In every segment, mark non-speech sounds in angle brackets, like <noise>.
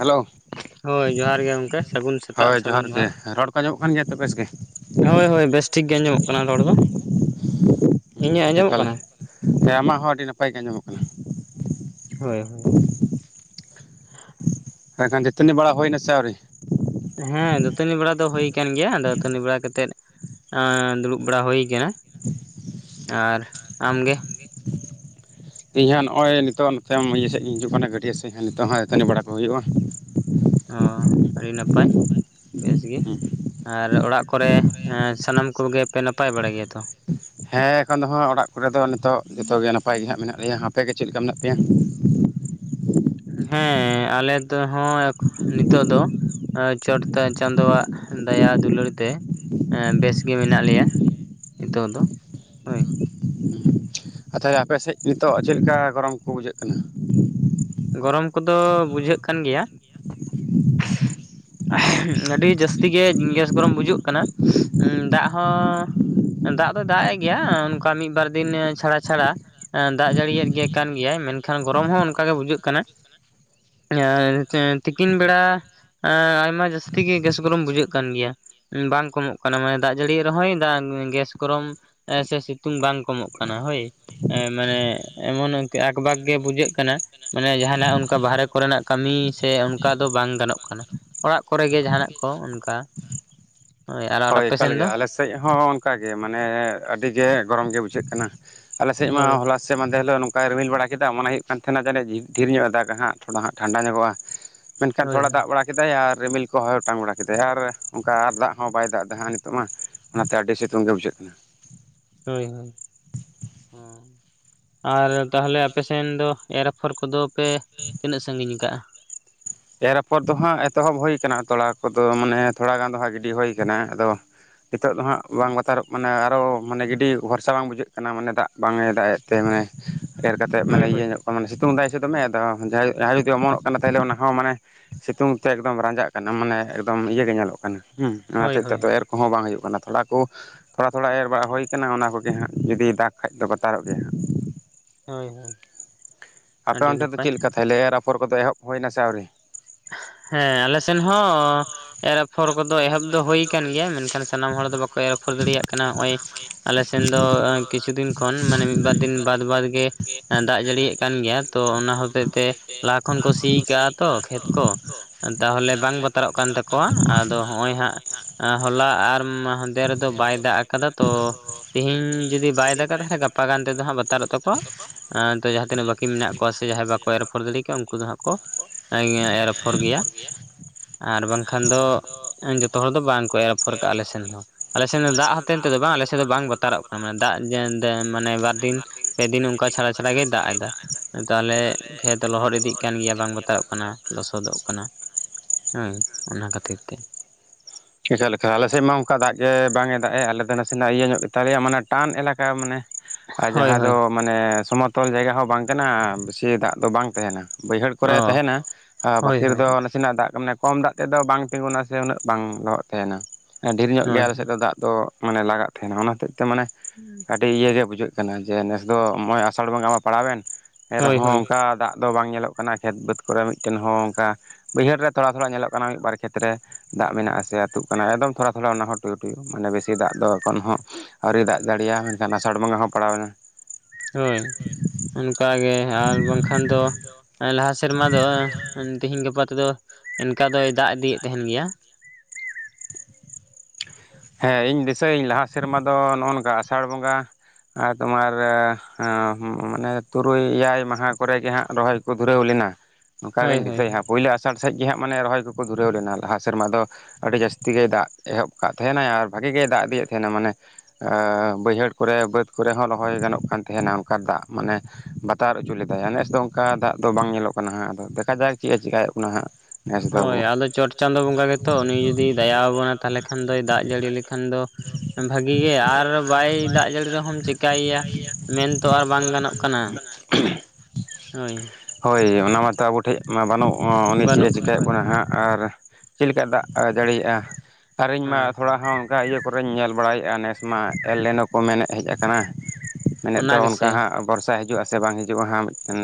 Hello. ᱦᱳᱭ ᱡᱚᱦᱟᱨ ᱜᱮ ᱜᱚᱢᱠᱮ ᱥᱟᱹᱜᱩᱱ ᱥᱮᱛᱟᱜ ᱥᱟᱹᱜᱩᱱ ᱡᱚᱦᱟᱨ᱾ ᱟᱸᱡᱚᱢᱚᱜ ᱠᱟᱱ ᱜᱮᱭᱟ ᱛᱚ ᱵᱮᱥ ᱜᱮ᱾ ᱦᱳᱭ ᱦᱳᱭ ᱵᱮᱥᱴᱷᱤᱠ ᱜᱮ ᱟᱸᱡᱚᱢᱚᱜ ᱠᱟᱱᱟ ᱨᱚᱲ ᱫᱚ ᱤᱧᱟᱹᱜ ᱟᱸᱡᱚᱢᱚᱜ ᱠᱟᱱᱟ? ᱦᱮᱸ ᱟᱢᱟᱜ ᱦᱚᱸ ᱟᱹᱰᱤ ᱱᱟᱯᱟᱭ ᱜᱮ ᱟᱸᱡᱚᱢᱚᱜ ᱠᱟᱱᱟ᱾ ᱦᱳᱭ᱾ ᱦᱮᱸ ᱦᱮᱸ ᱫᱟᱹᱛᱱᱤ ᱵᱟᱲᱟ ᱦᱩᱭᱱᱟ ᱥᱮ ᱟᱹᱣᱨᱤ? ᱦᱮᱸ ᱫᱟᱹᱛᱟᱹᱱᱤ ᱵᱟᱲᱟ ᱫᱚ ᱦᱩᱭ ᱠᱟᱱ ᱜᱮᱭᱟ ᱫᱟᱹᱛᱟᱹᱱᱤ ᱵᱟᱲᱟ ᱠᱟᱛᱮᱫ ᱫᱩᱲᱩᱵ ᱵᱟᱲᱟ ᱦᱩᱭ ᱠᱟᱱᱟ ᱟᱨ ᱟᱢᱜᱮ? ᱤᱧ ᱦᱚᱸ ᱱᱚᱜᱼᱚᱭ ᱱᱤᱛᱚᱜ ᱱᱚᱱᱛᱮ ᱤᱭᱟᱹ ᱥᱮᱫ ᱜᱤᱧ ᱦᱤᱡᱩᱜᱟ ᱜᱟᱹᱰᱤᱭᱟᱹ ᱥᱮᱫ ᱦᱚᱸ ᱱᱤᱛᱚᱜ ᱦᱚᱸ ᱫᱟᱹᱛᱟᱹᱱᱤ ᱵᱟᱲᱟ ᱠᱚ ᱦᱩᱭᱩᱜᱼᱟ ᱾ ᱚ ᱟᱹᱰᱤ ᱱᱟᱯᱟᱭ ᱵᱮᱥ ᱜᱤ᱾ ᱟᱨ ᱚᱲᱟᱜ ᱠᱚᱨᱮ ᱥᱟᱱᱟᱢ ᱠᱚᱜᱮ ᱯᱮ ᱱᱟᱯᱟᱭ ᱵᱟᱲᱟᱭ ᱜᱮᱭᱟ ᱛᱚ? ᱦᱮᱸ ᱮᱠᱷᱚᱱ ᱫᱚ ᱦᱟᱸᱜ ᱚᱲᱟᱜ ᱠᱚᱨᱮᱮᱫ ᱫᱚ ᱱᱤᱛᱚᱜ ᱡᱚᱛᱚᱜᱮ ᱱᱟᱯᱟᱭ ᱜᱮ ᱦᱟᱸᱜ ᱢᱮᱱᱟᱜ ᱞᱮᱭᱟ ᱾ ᱟᱯᱮ ᱜᱮ ᱪᱮᱫ ᱞᱮᱠᱟ ᱢᱮᱱᱟᱜ ᱯᱮᱭᱟ? ᱦᱮᱸ ᱟᱞᱮ ᱦᱚᱸ ᱱᱤᱛᱚᱜ ᱫᱚ ᱪᱚᱴ ᱪᱟᱸᱫᱳᱣᱟᱜ ᱫᱟᱭᱟ ᱫᱩᱞᱟᱹᱲ ᱛᱮ ᱵᱮᱥᱜ ᱜᱮ ᱢᱮᱱᱟᱜ ᱞᱮᱭᱟ ᱾ ᱱᱤᱛᱚᱜ ᱫᱚ ᱦᱳᱭ ᱾ ᱟᱪᱷᱟᱭᱟ ᱟᱯᱮ ᱥᱮᱫ ᱱᱤᱛᱚᱜ ᱪᱮᱫ ᱞᱮᱠᱟ ᱜᱚᱨᱚᱢ ᱠᱚ ᱵᱩᱡᱷᱟᱹᱜ ᱠᱟᱱᱟ? ᱜᱚᱨᱚᱢ ᱠᱚᱫᱚ ᱵᱩᱡᱷᱟᱹᱜ ᱠᱟᱱ ᱜᱮᱭᱟ ᱾ ᱟᱹᱰᱤ ᱡᱟᱹᱥᱛᱤ ᱜᱮ ᱜᱮᱥ ᱜᱚᱨᱚᱢ ᱵᱩᱡᱩᱜ ᱠᱟᱱᱟ ᱫᱟᱜ ᱦᱚᱸ ᱫᱟᱜ ᱫᱚᱭ ᱫᱟᱜ ᱮ ᱜᱮᱭᱟ ᱚᱱᱠᱟ ᱢᱤᱫ ᱵᱟᱨ ᱫᱤᱱ ᱪᱷᱟᱲᱟ ᱪᱷᱟᱲᱟ ᱾ ᱫᱟᱜ ᱡᱟᱹᱲᱤᱭᱮᱫ ᱜᱮ ᱠᱟᱱ ᱜᱮᱭᱟᱭ ᱢᱮᱱᱠᱷᱟᱱ ᱜᱚᱨᱚᱢ ᱦᱚᱸ ᱚᱱᱠᱟᱜ ᱜᱮ ᱵᱩᱡᱩᱜ ᱠᱟᱱᱟ᱾ ᱛᱤᱠᱤᱱ ᱵᱮᱲᱟ ᱮᱸ ᱟᱭᱢᱟ ᱡᱟᱹᱥᱛᱤ ᱜᱮᱥ ᱜᱚᱨᱚᱢ ᱵᱩᱡᱷᱟᱹᱜ ᱠᱟᱱ ᱜᱮᱭᱟ ᱾ ᱵᱟᱝ ᱠᱚᱢᱚᱜ ᱠᱟᱱᱟ ᱢᱟᱱᱮ ᱫᱟᱜ ᱡᱟᱹᱲᱤ ᱨᱮᱦᱚᱸᱚᱭ ᱜᱮᱥ ᱜᱚᱨᱚᱢ ᱾ ᱦᱮᱸ ᱥᱮ ᱥᱤᱛᱩᱝ ᱵᱟᱝ ᱠᱚᱢᱚᱜ ᱠᱟᱱᱟ ᱦᱳᱭ ᱾ ᱮ ᱢᱟᱱᱮ ᱮᱢᱚᱱ ᱟᱠᱵᱟᱠ ᱜᱮ ᱵᱩᱡᱷᱟᱹᱜ ᱠᱟᱱᱟ ᱾ ᱢᱟᱱᱮ ᱡᱟᱦᱟᱱᱟᱜ ᱚᱱᱠᱟ ᱵᱟᱨᱦᱨᱮ ᱠᱚᱨᱮᱱᱟᱜ ᱠᱟᱹᱢᱤ ᱥᱮ ᱚᱱᱠᱟ ᱫᱚ ᱵᱟᱝ ᱜᱟᱱᱚᱜ ᱠᱟᱱᱟ ᱾ ᱚᱲᱟᱜ ᱠᱚᱨᱮ ᱜᱤ ᱡᱟᱦᱟᱱᱟᱜ ᱠᱚ ᱚᱱᱠᱟ ᱾ ᱦᱳᱭ ᱮᱠᱟᱞᱜᱮ ᱟᱞᱮ ᱥᱮᱫ ᱦᱚᱸ ᱚᱱᱠᱟ ᱜᱮ ᱢᱟᱱᱮ ᱟᱹᱰᱤ ᱜᱮ ᱜᱚᱨᱚᱢ ᱜᱮ ᱵᱩᱡᱷᱟᱹᱜ ᱠᱟᱱᱟ ᱾ ᱟᱞᱮ ᱥᱮᱜ ᱢᱟ ᱦᱚᱞᱟ ᱥᱮ ᱢᱤᱫ ᱦᱤᱞᱳᱜ ᱱᱚᱝᱠ ᱨᱤᱢᱤᱞ ᱵᱟᱲᱟ ᱠᱮᱫᱟ ᱢᱚᱱᱮ ᱦᱩᱭᱩᱜ ᱠᱟᱱ ᱛᱟᱦᱮᱱᱟ ᱡᱟᱹᱱᱤᱡ ᱰᱷᱮᱨ ᱧᱚᱜ ᱫᱟᱜ ᱦᱟᱸᱜ ᱛᱷᱚᱲᱟ ᱦᱟᱸᱜ ᱴᱷᱟᱱᱰᱟ ᱧᱚᱜᱼᱟ ᱾ <inaudible> ᱢᱮᱱᱠᱷᱟᱱ ᱛᱷᱚᱲᱟ ᱫᱟᱜ ᱵᱟᱲᱟ ᱠᱮᱫᱟᱭ ᱟᱨ ᱨᱤᱢᱤᱞ ᱠᱚᱦᱚᱭ ᱚᱴᱟᱝ ᱵᱟᱲᱟ ᱠᱮᱫᱟᱭ ᱟᱨ ᱚᱱᱠᱟ ᱟᱨ ᱫᱟᱜ ᱦᱚᱸ ᱵᱟᱭ ᱫᱟᱜ ᱮ ᱦᱟᱸᱜ ᱱᱤᱛᱚᱜ ᱢᱟ ᱚᱱᱟᱛᱮ ᱟᱹᱰᱤ ᱥᱤᱛᱩᱝ ᱜᱮ ᱵᱩᱡᱷᱟᱹᱜ ᱠᱟᱱᱟ ᱾ ᱦᱳᱭ ᱦᱳᱭ ᱟᱨ ᱛᱟᱦᱚᱞᱮ ᱟᱯᱮ ᱥᱮᱱ ᱫᱚ ᱮᱨ ᱟᱯᱷᱚᱨ ᱠᱚᱫᱚ ᱯᱮ ᱛᱤᱱᱟᱹᱜ ᱥᱟᱺᱜᱤᱧ ᱟᱠᱟᱜᱼᱟ? ᱮᱨ ᱟᱯᱷᱚᱨ ᱫᱚ ᱦᱟᱸᱜ ᱮᱛᱚᱦᱚᱵ ᱦᱩᱭ ᱠᱟᱱᱟ, ᱛᱷᱚᱲᱟ ᱠᱚᱫᱚ ᱢᱟᱱᱮ ᱛᱷᱚᱲᱟ ᱜᱟᱱ ᱫᱚ ᱦᱟᱸᱜ ᱜᱤᱰᱤ ᱦᱩᱭ ᱠᱟᱱᱟ ᱟᱫᱚ- ᱱᱤᱛᱚᱜ ᱫᱚ ᱦᱟᱸᱟᱜ ᱵᱟᱝ ᱵᱟᱛᱟᱨᱚᱜ ᱢᱟᱱᱮ ᱟᱨᱚ ᱢᱟᱱᱮ ᱜᱤᱰᱤ ᱵᱷᱚᱨᱥᱟ ᱵᱟᱝ ᱵᱩᱡᱷᱟᱹᱜ ᱠᱟᱱᱟ ᱢᱟᱱᱮ ᱫᱟᱜ ᱵᱟᱝ ᱮ ᱫᱟᱜ ᱮᱫ ᱛᱮ ᱢᱟᱱᱮ ᱮᱨ ᱠᱟᱛᱮ ᱢᱟᱱᱮ ᱤᱭᱟᱹ ᱧᱚᱜ ᱠᱚᱣᱟ ᱢᱟᱱᱮ ᱥᱤᱛᱩᱝ ᱫᱟᱭ ᱦᱚᱪᱚᱜ ᱢᱮ ᱟᱫᱚ ᱡᱟᱦᱟᱸᱭ ᱡᱩᱫᱤ ᱚᱢᱚᱱᱚᱜ ᱠᱟᱱᱟ ᱛᱟᱦᱚᱞᱮ ᱚᱱᱟ ᱦᱚᱸ ᱢᱟᱱᱮ ᱥᱤᱛᱩᱝᱛᱮ ᱮᱠᱫᱚᱢ ᱨᱟᱸᱡᱟᱜ ᱠᱟᱱᱟ ᱢᱟᱱᱮ ᱮᱠᱫᱚᱢ ᱤᱭᱟᱹ ᱜᱮ ᱧᱮᱞᱚᱜ ᱠᱟᱱᱟ ᱚᱱᱟ ᱦᱚᱛᱮᱛᱮᱫ ᱫᱚ ᱮᱨ ᱦᱚᱸ ᱠᱚᱦᱚᱸ ᱵᱟᱝ ᱦᱳᱭᱳᱜ ᱠᱟᱱᱟ ᱛᱷᱚᱲᱟ ᱠᱚ ᱛᱷᱚᱲᱟ ᱛᱷᱚᱲᱟ ᱮᱨ ᱵᱟᱲᱟ ᱦᱳᱭ ᱚᱱᱟ ᱠᱚᱜᱮ ᱦᱟᱸᱜ ᱡᱩᱫᱤ ᱫᱟᱜᱽ ᱠᱷᱟᱡ ᱵᱟᱛᱟᱨᱚᱜ ᱜᱮᱭᱟ ᱦᱟᱸᱜ᱾ ᱦᱳᱭ ᱦᱳᱭ ᱟᱯᱮ ᱚᱱᱛᱮ ᱫᱚ ᱪᱮᱫ ᱞᱮᱠᱟ ᱛᱟᱦᱮᱸ ᱞᱮ ᱮᱨ ᱟᱯᱷᱚᱨ ᱠᱚᱫᱚ ᱮᱦᱚᱵ ᱦᱩᱭᱱᱟ ᱥᱮ ᱟᱹᱣᱨᱤ? ᱦᱮᱸ ᱟᱞᱮ ᱥᱮᱱ ᱦᱚᱸ ᱮᱨ ᱟᱯᱷᱚᱨ ᱠᱚᱫᱚ ᱮᱦᱚᱵ ᱫᱚ ᱦᱳᱭ ᱟᱠᱟᱱ ᱜᱮᱭᱟ ᱢᱮᱱᱠᱷᱟᱱ ᱥᱟᱱᱟᱢ ᱦᱚᱲ ᱫᱚ ᱵᱟᱠᱚ ᱮᱨ ᱟᱯᱷᱚᱨ ᱫᱟᱲᱮᱭᱟᱜ ᱠᱟᱱᱟ ᱦᱚᱜᱼᱚᱭ ᱟᱞᱮ ᱥᱮᱱ ᱫᱚ ᱠᱤᱪᱷᱩ ᱫᱤᱱ ᱠᱷᱚᱱ ᱢᱟᱱᱮ ᱢᱤᱫᱵᱟᱨ ᱫᱤᱱ ᱵᱟᱫ ᱵᱟᱫ ᱜᱮ ᱫᱟᱜ ᱡᱟᱹᱲᱤᱭᱟᱜ ᱠᱟᱱ ᱜᱮᱭᱟ ᱛᱚ ᱚᱱᱟ ᱦᱚᱛᱮᱡ ᱛᱮ ᱞᱟᱦᱟ ᱠᱷᱚᱱ ᱠᱚ ᱥᱤ ᱠᱟᱜᱼᱟ ᱛᱚ ᱠᱷᱮᱛ ᱠᱚ ᱛᱟᱦᱚᱞᱮ ᱵᱟᱝ ᱵᱟᱛᱟᱨᱚᱜ ᱠᱟᱱ ᱛᱟᱠᱚᱣᱟ ᱟᱫᱚ ᱦᱚᱸᱜᱼᱚᱭ ᱦᱟᱸᱜ ᱦᱚᱞᱟ ᱟᱨ ᱦᱟᱸᱫᱮ ᱨᱮᱫᱚ ᱵᱟᱭ ᱫᱟᱜ ᱟᱠᱟᱫᱟ ᱛᱚ ᱛᱤᱦᱤᱧ ᱡᱩᱫᱤ ᱵᱟᱭ ᱫᱟᱜᱟ ᱛᱟᱦᱚᱞᱮ ᱜᱟᱯᱟ ᱜᱟᱱ ᱛᱮᱫᱚ ᱦᱟᱸᱜ ᱵᱟᱛᱟᱨᱚᱜ ᱛᱟᱠᱚᱣᱟ ᱡᱟᱦᱟᱸ ᱛᱤᱱᱟᱹᱜ ᱵᱟ ᱠᱤ ᱢᱮᱱᱟᱜ ᱠᱚᱣᱟ ᱥᱮ ᱡᱟᱦᱟᱸᱭ ᱵᱟᱠᱚ ᱮᱨᱯᱷᱚᱨ ᱫᱟᱲᱮ ᱠᱚᱮᱣᱟ ᱩᱱᱠᱩ ᱫᱚ ᱦᱟᱸᱜ ᱠᱚ, ᱮᱨ ᱯᱷᱚᱨ ᱜᱮᱭᱟ᱾ ᱟᱨ ᱵᱟᱝᱠᱷᱟᱱ ᱫᱚ ᱡᱚᱛᱚ ᱦᱚᱲ ᱫᱚ ᱵᱟᱝ ᱠᱚ ᱮᱨ ᱟᱯᱷᱚᱨ ᱠᱟᱜᱼᱟ ᱟᱞᱮ ᱥᱮᱱ ᱦᱚᱸ᱾ ᱟᱞᱮ ᱥᱮᱱ ᱫᱚ ᱫᱟᱜ ᱦᱚᱛᱮᱫ ᱛᱮᱫᱚ ᱵᱟᱝ ᱟᱞᱮ ᱥᱮᱫ ᱫᱚ ᱵᱟᱝ ᱵᱚᱛᱟᱨᱚᱜ ᱠᱟᱱᱟ ᱢᱟᱱᱮ ᱫᱟᱜ ᱢᱟᱱᱮ ᱵᱟᱨᱫᱤᱱ ᱯᱮ ᱫᱤᱱ ᱚᱱᱠᱟ ᱪᱷᱟᱲᱟ ᱪᱷᱟᱲᱟ ᱜᱮᱭ ᱫᱟᱜ ᱮᱫᱟ ᱾ ᱛᱟᱦᱟᱞᱮ ᱠᱷᱮᱛ ᱞᱚᱦᱚᱫ ᱤᱫᱤᱜ ᱠᱟᱱ ᱜᱮᱭᱟ ᱵᱟᱝ ᱵᱟᱛᱟᱨᱚᱜ ᱠᱟᱱᱟ ᱾ ᱞᱚᱥᱚᱫᱚᱜ ᱠᱟᱱᱟ ᱦᱮ ᱚᱱᱟ ᱠᱷᱟᱹᱛᱤᱨ ᱛᱮ᱾ ᱪᱤᱠᱟᱹ ᱞᱮᱠᱟ ᱟᱞᱮ ᱥᱮᱫ ᱢᱟ ᱚᱱᱠᱟ ᱫᱟᱜ ᱜᱮ ᱵᱟᱝ ᱮ ᱫᱟᱜ ᱮ ᱟᱞᱮ ᱫᱚ ᱱᱟᱥᱮ ᱱᱟᱜ ᱤᱭᱟᱹ ᱧᱚᱜ ᱜᱮᱛᱟᱞᱮᱭᱟ ᱢᱟᱱᱮ ᱴᱟᱱ ᱮᱞᱟᱠᱟ ᱢᱟᱱᱮ ᱟᱨ ᱡᱟᱦᱟᱸ ᱫᱚ ᱢᱟᱱᱮ ᱥᱚᱢᱚᱛᱚᱞ ᱡᱟᱭᱜᱟ ᱦᱚᱸ ᱵᱟᱝ ᱠᱟᱱᱟ, ᱵᱮᱥᱤ ᱫᱟᱜ ᱫᱚ ᱵᱟᱝ ᱛᱟᱦᱮᱱᱟ ᱾ ᱵᱟᱹᱭᱦᱟᱹᱲ ᱠᱚᱨᱮ ᱛᱟᱦᱮᱱᱟ ᱟᱨ ᱵᱟᱹᱠᱤ ᱨᱮᱫᱚ ᱚᱱᱮ ᱱᱟᱥᱮᱱᱟᱜ ᱫᱟᱜ ᱢᱟᱱᱮ ᱠᱚᱢ ᱫᱟᱜ ᱛᱮᱫᱚ ᱵᱟᱝ ᱛᱤᱸᱜᱩᱱᱟ ᱥᱮ ᱩᱱᱟᱹᱜ ᱵᱟᱝ ᱞᱚᱦᱚᱫ ᱛᱟᱦᱮᱱᱟ ᱾ ᱰᱷᱮᱨ ᱧᱚᱜ ᱜᱮ ᱟᱞᱮ ᱥᱮᱫ ᱫᱚ ᱫᱟᱜ ᱫᱚ ᱢᱟᱱᱮ ᱞᱟᱜᱟᱜ ᱛᱟᱦᱮᱱᱟ, ᱚᱱᱟ ᱦᱚᱛᱮᱫᱛᱮ ᱢᱟᱱᱮ ᱟᱹᱰᱤ ᱤᱭᱟᱹᱜᱮ ᱵᱩᱡᱷᱟᱹᱜ ᱠᱟᱱᱟ ᱡᱮ ᱱᱮᱥ ᱫᱚ ᱱᱚᱜᱼᱚᱭ ᱟᱥᱟᱲ ᱵᱚᱸᱜᱟ ᱢᱟ ᱯᱟᱲᱟᱣᱮᱱ᱾ ᱮᱱ ᱨᱮᱦᱚᱸ ᱚᱱᱠᱟ ᱫᱟᱜ ᱫᱚ ᱵᱟᱝ ᱧᱮᱞᱚᱜ ᱠᱟᱱᱟ ᱠᱷᱮᱛ ᱵᱟᱹᱫᱽ ᱠᱚᱨᱮ ᱢᱤᱫᱴᱮᱱ ᱦᱚᱸ ᱚᱝᱠᱟ ᱵᱟᱹᱭᱦᱟᱹᱲ ᱨᱮ ᱛᱷᱚᱲᱟ ᱛᱷᱚᱲᱟ ᱧᱮᱞᱚᱜ ᱠᱟᱱᱟ ᱢᱤᱫ ᱵᱟᱨ ᱠᱷᱮᱛᱨᱮ᱾ ᱫᱟᱜ ᱢᱮᱱᱟᱜᱼᱟ ᱥᱮ ᱟᱹᱛᱩᱜ ᱠᱟᱱᱟ ᱮᱠᱫᱚᱢ ᱛᱷᱚᱲᱟ ᱛᱷᱚᱲᱟ ᱚᱱᱟ ᱦᱚᱸ ᱴᱩᱭᱩ ᱴᱩᱭᱩ ᱢᱟᱱᱮ ᱵᱮᱥᱤ ᱫᱟᱜ ᱫᱚ ᱮᱠᱷᱚᱱ ᱦᱚᱸ ᱟᱹᱣᱨᱤ ᱫᱟᱜ ᱡᱟᱹᱲᱤᱭᱟᱭ ᱢᱮᱱᱠᱷᱟᱱ ᱟᱥᱟᱲ ᱵᱚᱸᱜᱟ ᱦᱚᱸ ᱯᱟᱲᱟᱣᱮᱱᱟ᱾ ᱦᱳᱭ ᱚᱱᱠᱟᱜᱮ ᱟᱨ ᱵᱟᱝᱠᱷᱟᱱ ᱫᱚ, ᱞᱟᱦᱟ ᱥᱮᱨᱢᱟ ᱫᱚ ᱛᱤᱦᱤᱧ ᱜᱟᱯᱟ ᱛᱮᱫᱚ ᱤᱱᱠᱟᱹ ᱫᱚᱭ ᱫᱟᱜ ᱤᱫᱤᱭᱮᱫ ᱛᱟᱦᱮᱱ ᱜᱮᱭᱟ᱾ ᱦᱮᱸ ᱤᱧ ᱫᱤᱥᱟᱹᱭᱟᱹᱧ ᱞᱟᱦᱟ ᱥᱮᱨᱢᱟ ᱫᱚ ᱱᱚᱜᱼᱚ ᱱᱚᱝᱠᱟ ᱟᱥᱟᱲ ᱵᱚᱸᱜᱟ ᱟᱨ ᱛᱳᱢᱟᱨ ᱢᱟᱱᱮ ᱛᱩᱨᱩᱭ ᱮᱭᱟᱭ ᱢᱟᱦᱟ ᱠᱚᱨᱮᱜ ᱜᱮ ᱦᱟᱸᱜ ᱨᱚᱦᱚᱭ ᱫᱷᱩᱨᱟᱹᱣ ᱞᱮᱱᱟ ᱱᱚᱝᱠᱟ ᱜᱤᱧ ᱫᱤᱥᱟᱹᱭᱟ ᱦᱟᱸᱜ ᱯᱟᱹᱭᱞᱟᱹ ᱟᱥᱼ ᱟᱥᱟᱲ ᱥᱮᱫ ᱜᱮ ᱦᱟᱸᱜ ᱢᱟᱱᱮ ᱨᱚᱦᱚᱭ ᱠᱚᱠᱚ ᱫᱷᱩᱨᱟᱹᱣ ᱞᱮᱱᱟ ᱞᱟᱦᱟ ᱥᱮᱨᱢᱟ ᱫᱚ ᱟᱹᱰᱤ ᱡᱟᱹᱥᱛᱤ ᱜᱮ ᱫᱟᱜ ᱮᱦᱚᱵ ᱠᱟᱜ ᱛᱟᱦᱮᱱᱟᱭ ᱟᱨ ᱵᱷᱟᱜᱤ ᱜᱮ ᱫᱟᱜ ᱤᱫᱤᱭᱮᱫ ᱛᱟᱦᱮᱱᱟ ᱢᱟᱱᱮ ᱟᱹ ᱵᱟᱹᱭᱦᱟᱹᱲ ᱠᱚᱨᱮ ᱵᱟᱹᱫ ᱠᱚᱨᱮ ᱦᱚᱸ ᱨᱚᱦᱚᱭ ᱜᱟᱱᱚᱜ ᱠᱟᱱ ᱛᱟᱦᱮᱱᱟ ᱚᱱᱠᱟ ᱫᱟᱜ, ᱢᱟᱱᱮ ᱵᱟᱛᱟᱨ ᱚᱪᱩ ᱞᱮᱫᱟᱭ ᱱᱮᱥ ᱫᱚ ᱚᱱᱠᱟ ᱫᱟᱜ ᱫᱚ ᱵᱟᱝ ᱧᱮᱞᱚᱜ ᱠᱟᱱᱟ ᱦᱟᱸᱜ ᱟᱫᱚ ᱫᱮᱠᱷᱟ ᱡᱟ ᱪᱮᱫ ᱮ ᱪᱮᱤᱠᱟᱹᱭᱮᱫ ᱵᱚᱱᱟ ᱦᱟᱸᱜ᱾ ᱦᱳᱭ ᱟᱫᱚ ᱪᱚᱴᱪᱟᱸᱫᱚ ᱵᱚᱸᱜᱟ ᱜᱮᱛᱚ ᱩᱱᱤ ᱡᱩᱫᱤ ᱫᱟᱭᱟ ᱟᱵᱚᱱᱟ ᱛᱟᱦᱮ ᱠᱷᱟᱱ ᱫᱚ ᱫᱟᱜ ᱡᱟᱹᱲᱤ ᱞᱮᱠᱷᱟᱱ ᱫᱚ ᱵᱷᱟᱜᱤ ᱜᱮ ᱟᱨ ᱵᱟᱭ ᱫᱟᱜ ᱡᱟᱹᱲᱤ ᱨᱮᱦᱚᱢ ᱪᱮᱠᱟᱭ ᱭᱟ ᱾ ᱢᱮᱱᱛᱚ ᱟᱨ ᱵᱟᱝ ᱜᱟᱱᱚᱜ ᱠᱟᱱᱟ ᱦᱳᱭ᱾ ᱦᱳᱭ ᱚᱱᱟ ᱢᱟᱛᱚ ᱟᱵᱚ ᱴᱷᱮᱜ ᱢᱟ ᱵᱟᱹᱱᱩᱜᱼᱟ ᱩᱱᱤ ᱪᱮᱫ ᱮ ᱪᱤᱠᱟᱭᱮᱫ ᱵᱚᱱᱟᱭ ᱦᱟᱸᱜ ᱟᱨ ᱪᱮᱫ ᱞᱮᱠᱟ ᱫᱟᱜ ᱡᱟᱹᱲᱤᱭᱮᱜᱼᱟ ᱟᱨ ᱤᱧ ᱢᱟ ᱦᱚᱸ ᱚᱱᱠᱟ ᱤᱭᱟᱹ ᱠᱚᱨᱮᱧ ᱧᱮᱞ ᱵᱟᱲᱟᱭᱮᱫᱼᱟ ᱱᱮᱥ ᱢᱟ ᱮᱞ ᱞᱮᱱᱚ ᱠᱚ ᱢᱮᱱᱮᱫ ᱦᱮᱡ ᱟᱠᱟᱱᱟ ᱾ ᱢᱮᱱᱮᱫ ᱛᱮᱦᱚᱸ ᱚᱱᱠᱟ ᱦᱟᱸᱜ ᱵᱚᱨᱥᱟ ᱦᱤᱡᱩᱜᱼᱟ ᱥᱮ ᱵᱟᱝ ᱦᱤᱡᱩᱜᱼᱟ ᱦᱟᱸᱜ ᱢᱤᱫᱴᱮᱱ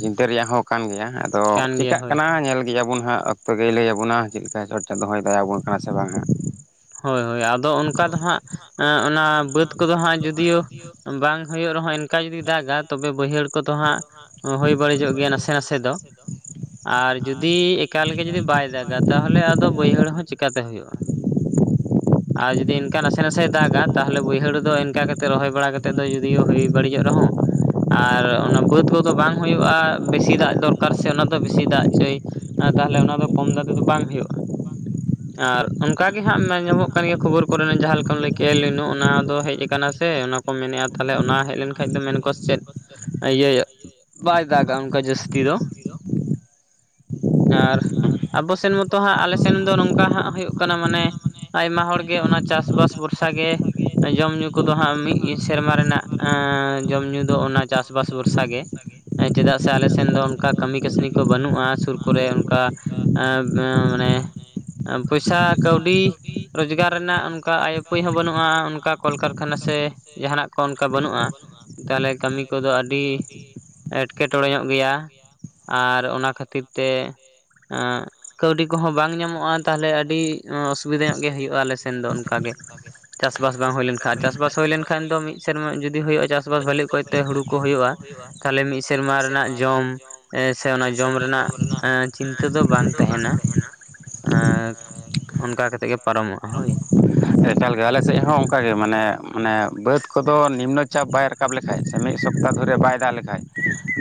ᱪᱤᱱᱛᱟᱹ ᱨᱮᱭᱟᱜ ᱦᱚᱸ ᱠᱟᱱ ᱜᱮᱭᱟ ᱟᱫᱚ ᱪᱤᱠᱟᱜ ᱠᱟᱱᱟ ᱧᱮᱞ ᱪᱤᱠᱟᱹᱭᱟᱵᱚᱱ ᱦᱟᱸᱜ ᱚᱠᱛᱚ ᱜᱮᱭ ᱞᱟᱹᱭ ᱟᱵᱚᱱᱟ ᱪᱮᱫ ᱞᱮᱠᱟ ᱪᱚᱴ ᱪᱟᱸᱫᱳ ᱦᱚᱭ ᱫᱟᱭᱟ ᱟᱵᱚᱱ ᱠᱟᱱᱟ ᱥᱮ ᱵᱟᱝ ᱦᱟᱸᱜ ᱦᱳᱭ ᱦᱳᱭ ᱟᱫᱚ ᱚᱱᱠᱟ ᱫᱚ ᱦᱟᱸᱜ ᱚᱱᱟ ᱵᱟᱹᱫᱽ ᱠᱚᱫᱚ ᱦᱟᱸᱜ ᱡᱩᱫᱤᱭᱳ ᱵᱟᱝ ᱦᱩᱭᱩᱜ ᱨᱮᱦᱚᱸ ᱡᱩᱫᱤ ᱫᱟᱜᱟ ᱛᱚᱵᱮ ᱵᱟᱹᱭᱦᱟᱹᱲ ᱠᱚᱫᱚ ᱦᱟᱸᱜ ᱦᱩᱭ ᱵᱟᱹᱲᱤᱡᱚᱜ ᱜᱮᱭᱟ ᱱᱟᱥᱮ ᱱᱟᱥᱮ ᱫᱚ ᱟᱨ ᱡᱩᱫᱤ ᱮᱠᱟᱞ ᱜᱮ ᱡᱩᱫᱤ ᱵᱟᱭ ᱫᱟᱜᱟ ᱛᱟᱦᱚᱞᱮ ᱟᱫᱚ ᱵᱟᱹᱭᱦᱟᱹᱲ ᱦᱚᱸ ᱪᱮᱠᱟᱛᱮ ᱦᱩᱭᱩᱜᱼᱟ ᱟᱨ ᱡᱩᱫᱤ ᱤᱱᱠᱟ ᱱᱟᱥᱮ ᱱᱟᱥᱮᱭ ᱫᱟᱜᱟ ᱛᱟᱦᱚᱞᱮ ᱵᱟᱹᱭᱦᱟᱹᱲ ᱫᱚ ᱤᱱᱠᱟ ᱠᱟᱛᱮ ᱨᱚᱦᱚᱭ ᱵᱟᱲᱟ ᱠᱟᱛᱮᱜ ᱫᱚ ᱡᱚᱫᱤ ᱦᱳᱭ ᱵᱟᱹᱲᱤᱡᱚᱜ ᱨᱮᱦᱚᱸ ᱟᱨ ᱚᱱᱟ ᱵᱟᱹᱫᱽ ᱠᱚᱫᱚ ᱵᱟᱝ ᱦᱩᱭᱩᱜᱼᱟ ᱵᱮᱥᱤ ᱫᱟᱜ ᱫᱚᱨᱠᱟᱨ ᱥᱮ ᱚᱱᱟ ᱫᱚ ᱵᱮᱥᱤ ᱫᱟᱜ ᱪᱟᱹᱭ ᱛᱟᱦᱚᱞᱮ ᱚᱱᱟ ᱫᱚ ᱠᱚᱢ ᱫᱟᱜ ᱛᱮᱫᱚ ᱵᱟᱝ ᱦᱩᱭᱩᱜᱼᱟ ᱟᱨ ᱚᱱᱠᱟ ᱦᱟᱸᱜ ᱧᱮᱞ ᱧᱟᱢᱚᱜ ᱠᱟᱱ ᱜᱮᱭᱟ ᱠᱷᱚᱵᱚᱨ ᱠᱚᱨᱮᱱ ᱡᱟᱦᱟᱸ ᱞᱮᱠᱟᱢ ᱞᱟᱹᱭ ᱠᱮᱫ ᱮᱞ ᱱᱤᱱᱳ ᱚᱱᱟ ᱫᱚ ᱦᱮᱡ ᱟᱠᱟᱱᱟ ᱥᱮ ᱚᱱᱟ ᱠᱚ ᱢᱮᱱᱮᱜᱼᱟ ᱛᱟᱦᱚᱞᱮ ᱚᱱᱟ ᱦᱮᱡ ᱞᱮᱱᱠᱷᱟᱡ ᱫᱚ ᱢᱮᱱ ᱟᱠᱚ ᱪᱮᱫ ᱤᱭᱟᱹ ᱵᱟᱭ ᱫᱟᱜᱟ ᱚᱱᱠᱟ ᱡᱟᱹᱥᱛᱤ ᱫᱚ ᱟᱨ ᱟᱵᱚ ᱥᱮᱱ ᱢᱟᱛᱚ ᱦᱟᱸᱜ ᱟᱞᱮ ᱥᱮᱱ ᱫᱚ ᱱᱚᱝᱠᱟ ᱦᱟᱸᱜ ᱦᱩᱭᱩᱜ ᱠᱟᱱᱟ ᱢᱟᱱᱮ ᱟᱭᱢᱟ ᱦᱚᱲᱜᱮ ᱚᱱᱟ ᱪᱟᱥᱵᱟᱥ ᱵᱷᱚᱨᱥᱟ ᱜᱮ ᱡᱚᱢ ᱧᱩ ᱠᱚᱫᱚ ᱦᱟᱸᱜ ᱢᱤᱫ ᱥᱮᱨᱢᱟ ᱨᱮᱱᱟᱜ ᱡᱚᱢ ᱧᱩ ᱫᱚ ᱚᱱᱟ ᱪᱟᱥᱵᱟᱥ ᱵᱷᱚᱨᱥᱟ ᱜᱮ ᱪᱮᱫᱟᱜ ᱥᱮ ᱟᱞᱮ ᱥᱮᱱ ᱫᱚ ᱚᱱᱠᱟ ᱠᱟᱹᱢᱤ ᱠᱟᱹᱥᱱᱤ ᱠᱚ ᱵᱟᱹᱱᱩᱜᱼᱟ ᱥᱩᱨ ᱠᱚᱨᱮ ᱚᱱᱠᱟ ᱢᱟᱱᱮ ᱯᱚᱭᱥᱟ ᱠᱟᱹᱣᱰᱤ ᱨᱳᱡᱽᱜᱟᱨ ᱨᱮᱱᱟᱜ ᱚᱱᱠᱟ ᱟᱭ ᱩᱯᱟᱹᱭ ᱦᱚᱸ ᱵᱟᱹᱱᱩᱜᱼᱟ ᱚᱱᱠᱟ ᱠᱚᱞ ᱠᱟᱨᱠᱷᱟᱱᱟ ᱥᱮ ᱡᱟᱦᱟᱱᱟᱜ ᱠᱚ ᱚᱱᱠᱟ ᱵᱟᱹᱱᱩᱜᱼᱟ ᱛᱟᱦᱚᱞᱮ ᱠᱟᱹᱢᱤ ᱠᱚᱫᱚ ᱟᱹᱰᱤ ᱮᱴᱠᱮᱴᱚᱬᱮ ᱧᱚᱜ ᱜᱮᱭᱟ ᱟᱨ ᱚᱱᱟ ᱠᱷᱟᱹᱛᱤᱨ ᱛᱮ ᱠᱟᱹᱣᱰᱤ ᱠᱚᱦᱚᱸ ᱵᱟᱝ ᱧᱟᱢᱚᱜᱼᱟ ᱛᱟᱦᱚᱞᱮ ᱟᱹᱰᱤ ᱚᱥᱩᱵᱤᱫᱟ ᱧᱚᱜ ᱜᱮ ᱦᱩᱭᱩᱜᱼᱟ ᱟᱞᱮ ᱥᱮᱱ ᱫᱚ ᱚᱱᱠᱟᱜᱮ ᱪᱟᱥᱵᱟᱥ ᱵᱟᱝ ᱦᱩᱭ ᱞᱮᱱᱠᱷᱟᱱ ᱪᱟᱥᱵᱟᱥ ᱦᱩᱭ ᱞᱮᱱᱠᱷᱟᱱ ᱫᱚ ᱢᱤᱫ ᱥᱮᱨᱢᱟ ᱡᱩᱫᱤ ᱦᱩᱭᱩᱜᱼᱟ ᱪᱟᱥᱵᱟᱥ ᱵᱷᱟᱞᱤ ᱚᱠᱚᱭᱛᱮ ᱦᱩᱲᱩ ᱠᱚ ᱦᱩᱭᱩᱜᱼᱟ ᱛᱟᱦᱚᱞᱮ ᱢᱤᱫ ᱥᱮᱨᱢᱟ ᱨᱮᱱᱟᱜ ᱡᱚᱢ ᱥᱮ ᱚᱱᱟ ᱡᱚᱢ ᱨᱮᱱᱟᱜ ᱪᱤᱱᱛᱟᱹ ᱫᱚ ᱵᱟᱝ ᱛᱟᱦᱮᱱᱟ ᱟᱨ ᱚᱱᱠᱟ ᱠᱟᱛᱮᱜ ᱜᱮ ᱯᱟᱨᱚᱢᱚᱜᱼᱟ ᱦᱳᱭ ᱮᱠᱟᱞ ᱜᱮ ᱟᱞᱮ ᱥᱮᱫ ᱦᱚᱸ ᱚᱱᱠᱟ ᱜᱮ ᱢᱟᱱᱮ ᱢᱟᱱᱮ ᱵᱟᱹᱫᱽ ᱠᱚᱫᱚ ᱱᱤᱢᱱᱚ ᱪᱟᱯ ᱵᱟᱭ ᱨᱟᱠᱟᱵ ᱞᱮᱠᱷᱟᱡ ᱥᱮ ᱢᱤᱫ ᱥᱚᱯᱛᱟ ᱫᱷᱚᱨᱮ ᱵᱟᱭ ᱫᱟᱜ ᱞᱮᱠᱷᱟᱱ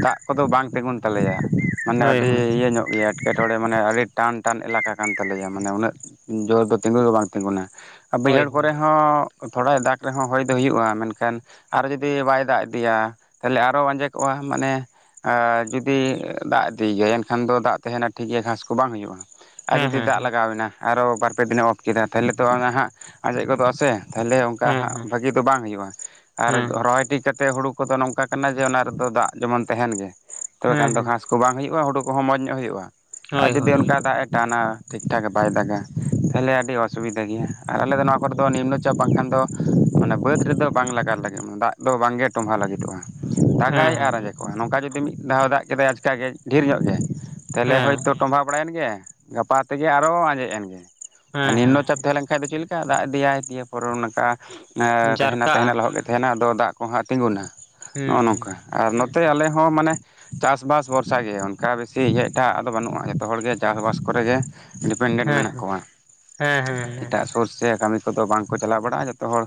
ᱫᱟᱜ ᱠᱚᱫᱚ ᱵᱟᱝ ᱛᱤᱸᱜᱩᱱ ᱛᱟᱞᱮᱭᱟ ᱢᱟᱱᱮ ᱟᱹᱰᱤ ᱤᱭᱟᱹ ᱧᱚᱜ ᱜᱮᱭᱟ ᱮᱴᱠᱮᱴᱚᱬᱮ ᱢᱟᱱᱮ ᱟᱹᱰᱤ ᱴᱟᱱ ᱴᱟᱱ ᱮᱞᱟᱠᱟ ᱠᱟᱱ ᱛᱟᱞᱮᱭᱟ ᱢᱟᱱᱮ ᱩᱱᱟᱹᱜ ᱡᱳᱨ ᱫᱚ ᱛᱤᱜᱩ ᱫᱚ ᱵᱟᱝ ᱛᱤᱸᱜᱩᱱᱟ ᱟᱨ ᱵᱟᱹᱭᱦᱟᱹᱲ ᱠᱚᱨᱮ ᱦᱚᱸ ᱛᱷᱚᱲᱟᱭ ᱫᱟᱜᱽ ᱨᱮᱦᱚᱸ ᱦᱚᱭ ᱫᱚ ᱦᱩᱭᱩᱜᱼᱟ ᱢᱮᱱᱠᱷᱟᱱ ᱟᱨᱚ ᱡᱩᱫᱤ ᱵᱟᱭ ᱫᱟᱜ ᱤᱫᱤᱭᱟ ᱛᱟᱦᱞᱮ ᱟᱨᱚ ᱟᱸᱡᱮᱫ ᱠᱚᱜᱼᱟ ᱢᱟᱱᱮ ᱟᱨ ᱡᱩᱫᱤ ᱫᱟᱜ ᱤᱫᱤ ᱜᱮᱭᱟᱭ ᱮᱱᱠᱷᱟᱱ ᱫᱚ ᱫᱟᱜ ᱛᱟᱦᱮᱱᱟ ᱴᱷᱤᱠ ᱜᱮᱭᱟ ᱜᱷᱟᱸᱥ ᱠᱚ ᱵᱟᱝ ᱦᱩᱭᱩᱜᱼᱟ ᱟᱨ ᱡᱩᱫᱤ ᱫᱟᱜ ᱞᱟᱜᱟᱣ ᱮᱱᱟ ᱟᱨᱚ ᱵᱟᱨ ᱯᱮ ᱫᱤᱱᱮ ᱚᱯᱷ ᱠᱮᱫᱟ ᱛᱟᱦᱚᱞᱮ ᱛᱚ ᱦᱟᱸᱜ ᱟᱸᱡᱮᱫ ᱜᱚᱫᱚᱜ ᱟᱥᱮ ᱛᱟᱦᱚᱞᱮ ᱚᱱᱠᱟ ᱦᱟᱸᱜ ᱵᱷᱟᱹᱜᱤ ᱫᱚ ᱵᱟᱝ ᱦᱩᱭᱩᱜᱼᱟ ᱟᱨ ᱦᱚᱦᱚᱭ ᱴᱷᱤᱠ ᱠᱟᱛᱮᱫ ᱦᱩᱲᱩ ᱠᱚᱫᱚ ᱱᱚᱝᱠᱟ ᱠᱟᱱᱟ ᱡᱮ ᱚᱱᱟ ᱨᱮᱫᱚ ᱫᱟᱜ ᱡᱮᱢᱚᱱ ᱛᱟᱦᱮᱱ ᱜᱮ ᱛᱚᱵᱮ ᱠᱷᱟᱱ ᱫᱚ ᱜᱷᱟᱥ ᱠᱚ ᱠᱚ ᱵᱟᱝ ᱦᱩᱭᱩᱜᱼᱟ ᱦᱩᱲᱩ ᱠᱚᱦᱚᱸ ᱢᱚᱡᱽ ᱧᱚᱜ ᱦᱩᱭᱩᱜᱼᱟ ᱟᱨ ᱡᱩᱫᱤ ᱚᱱᱠᱟ ᱫᱟᱜ ᱮ ᱴᱟᱱᱼᱟ ᱴᱷᱤᱠ ᱴᱷᱟᱠ ᱵᱟᱭ ᱫᱟᱜᱟ ᱛᱟᱦᱚᱞᱮ ᱟᱹᱰᱤ ᱚᱥᱩᱵᱤᱫᱷᱟ ᱜᱮᱭᱟ ᱟᱨ ᱟᱞᱮᱫᱚ ᱱᱚᱣᱟ ᱠᱚᱨ ᱫᱚ ᱱᱤᱢᱱᱚᱪᱟᱯ ᱵᱟᱝᱠᱷᱟᱱ ᱫᱚ ᱢᱟᱱᱮ ᱵᱟᱹᱫᱽ ᱨᱮᱫᱚ ᱵᱟᱝ ᱞᱟᱜᱟᱣ ᱞᱟᱹᱜᱤᱫ ᱫᱟᱜ ᱫᱚ ᱵᱟᱝᱜᱮ ᱴᱚᱢᱵᱷᱟ ᱞᱟᱹᱜᱤᱫᱚᱜᱼᱟ ᱫᱟᱜᱟᱭ ᱟᱨ ᱟᱸᱡᱮ ᱠᱚᱜᱼᱟ ᱱᱚᱝᱠᱟ ᱡᱩᱫᱤ ᱢᱤᱫ ᱫᱷᱟᱣ ᱫᱟᱜ ᱠᱮᱫᱟᱭ ᱟᱪᱠᱟ ᱜᱮ ᱰᱷᱮᱨ ᱧᱚᱜ ᱜᱮ ᱛᱟᱦᱚᱞᱮ ᱦᱚᱭᱛᱚ ᱴᱚᱢᱵᱷᱟ ᱵᱟᱲᱟᱭᱮᱱ ᱜᱮ ᱜᱟᱯᱟ ᱛᱮᱜᱮ ᱟᱨᱚ ᱟᱸᱡᱮᱫ ᱮᱱᱜᱮ ᱱᱤᱢᱱᱚ ᱪᱟᱯ ᱛᱟᱦᱮᱸ ᱞᱮᱮᱱ ᱠᱷᱟᱱ ᱵᱟᱠᱷᱟᱡ ᱫᱚ ᱪᱮᱫ ᱞᱮᱠᱟ ᱫᱟᱜ ᱫᱮᱭᱟᱭ ᱫᱤᱭᱮ ᱯᱚᱨ ᱱᱚᱝᱠᱟ ᱛᱟᱦᱮᱱᱟ ᱛᱟᱦᱮᱱᱟ ᱞᱚᱦᱚᱫ ᱠᱟᱛᱮ ᱛᱟᱦᱮᱱᱟ ᱟᱫᱚ ᱫᱟᱜ ᱠᱚ ᱦᱟᱸᱜ ᱛᱤᱸᱜᱩᱱᱟ ᱱᱚᱜᱼᱚ ᱱᱚᱝᱠᱟ ᱟᱨ ᱱᱚᱛᱮ ᱟᱞᱮᱦᱚᱸ ᱢᱟᱱᱮ ᱪᱟᱥᱼᱵᱟᱥ ᱵᱷᱚᱨᱥᱟ ᱜᱮ ᱚᱱᱠᱟ ᱵᱮᱥᱤ ᱤᱭᱟᱹ ᱮᱴᱟᱜᱟᱜ ᱫᱚ ᱵᱟᱹᱱᱩᱜᱼᱟ ᱡᱚᱛᱚ ᱦᱚᱲᱜᱮ ᱪᱟᱥᱼᱵᱟᱥ ᱠᱚᱨᱮ ᱜᱮ ᱰᱤᱯᱮᱱᱰᱮᱴ ᱢᱮᱱᱟᱜ ᱠᱚᱣᱟ ᱥᱩᱨ ᱥᱮ ᱠᱟᱹᱢᱤ ᱠᱚᱫᱚ ᱵᱟᱝᱠᱚ ᱪᱟᱞᱟᱣ ᱵᱟᱲᱟᱜᱼᱟ ᱡᱚᱛᱚ ᱦᱚᱲ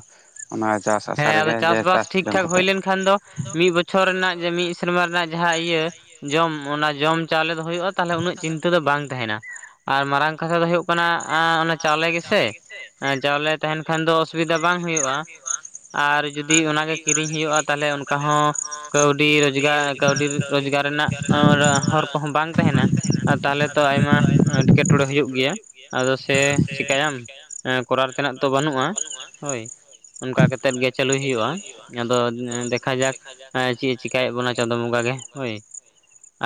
ᱚᱱᱟ ᱪᱟᱥ ᱟᱥᱟ ᱨᱮᱜᱮ ᱡᱮ ᱪᱟᱥ ᱡᱚᱢ ᱠᱟᱛᱮᱜ, ᱴᱷᱤᱠ ᱴᱷᱟᱠ ᱦᱳᱭ ᱞᱮᱱᱠᱷᱟᱱ ᱫᱚ ᱵᱚᱪᱷᱚᱨ ᱨᱮᱱᱟᱜ ᱡᱮ ᱢᱤᱫ ᱥᱮᱨᱢᱟ ᱨᱮᱱᱟᱜ ᱡᱟᱦᱟᱸ ᱤᱭᱟᱹ ᱡᱚᱢ ᱚᱱᱟ ᱡᱚᱢ ᱪᱟᱣᱞᱮ ᱫᱚ ᱦᱩᱭᱩᱜᱼᱟ ᱛᱟᱦᱚᱞᱮ ᱩᱱᱟᱹᱜ ᱪᱤᱱᱛᱟᱹ ᱫᱚ ᱵᱟᱝ ᱛᱟᱦᱮᱱᱟ ᱟᱨ ᱢᱟᱨᱟᱝ ᱠᱟᱛᱷᱟ ᱫᱚ ᱦᱩᱭᱩᱜ ᱠᱟᱱᱟ ᱚᱱᱟ ᱪᱟᱣᱞᱮ ᱜᱮᱥᱮ ᱪᱟᱣᱞᱮ ᱛᱟᱦᱮᱱ ᱠᱷᱟᱱ ᱫᱚ ᱚᱥᱩᱵᱤᱫᱷᱟ ᱵᱟᱝ ᱦᱩᱭᱩᱜᱼᱟ ᱟᱨ ᱡᱩᱫᱤ ᱚᱱᱟ ᱜᱤ ᱠᱤᱨᱤᱧ ᱦᱩᱭᱩᱜᱼᱟ ᱛᱟᱦᱚᱞᱮ ᱚᱱᱠᱟ ᱦᱚᱸ ᱠᱟᱹᱣᱰᱤ ᱨᱚᱡᱽᱜᱟᱨ ᱠᱟᱹᱣᱰᱤ ᱨᱚᱡᱽᱜᱟᱨ ᱨᱮᱱᱟᱜ ᱦᱚᱨ ᱠᱚᱦᱚᱸ ᱵᱟᱝ ᱛᱟᱦᱮᱱᱟ ᱛᱟᱦᱚᱞᱮ ᱛᱚ ᱟᱭᱢᱟ ᱮᱴᱠᱮᱴᱚᱬᱮ ᱦᱩᱭᱩᱜ ᱜᱮᱭᱟ ᱟᱫᱚ ᱥᱮ ᱪᱤᱠᱟᱭᱟᱢ ᱠᱚᱨᱟᱣ ᱛᱮᱱᱟᱜ ᱛᱚ ᱵᱟᱹᱱᱩᱜᱼᱟ ᱦᱳᱭ ᱚᱱᱠᱟ ᱠᱟᱼᱼ ᱛᱮᱫ ᱜᱮ ᱪᱟᱹᱞᱩᱭ ᱦᱩᱭᱩᱜᱼᱟ ᱟᱫᱚ ᱫᱮᱠᱷᱟ ᱡᱟᱠ ᱪᱮᱫ ᱮ ᱪᱤᱠᱟᱭᱮᱫ ᱵᱚᱱᱟ ᱪᱟᱸᱫᱳ ᱵᱚᱸᱜᱟ ᱜᱮ ᱦᱳᱭ